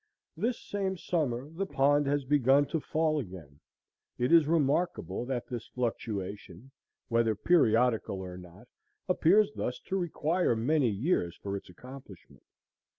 This same summer the pond has begun to fall again. It is remarkable that this fluctuation, whether periodical or not, appears thus to require many years for its accomplishment.